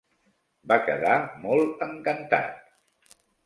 Va quedar molt encantat.